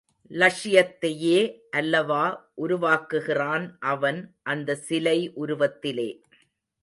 லக்ஷியத்தையே அல்லவா உருவாக்குகிறான் அவன் அந்த சிலை உருவத்திலே.